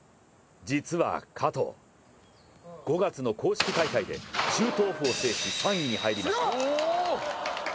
実は加藤、５月の公式大会でシュートオフを制し３位に入りました。